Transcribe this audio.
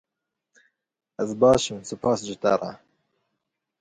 Ez baş im spas ji te re.